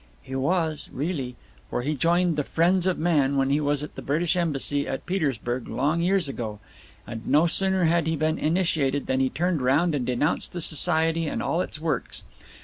"He was, really. For he joined the 'Friends of Man' when he was at the British Embassy at Petersburg long years ago; and no sooner had he been initiated than he turned round and denounced the society and all its works.